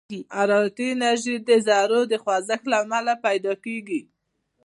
حرارتي انرژي د ذرّو د خوځښت له امله پيدا کېږي.